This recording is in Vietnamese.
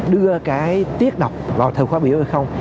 đưa cái tiết đọc vào thời khóa biểu hay không